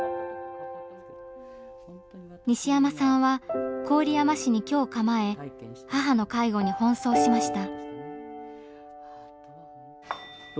西山さんは郡山市に居を構え母の介護に奔走しました。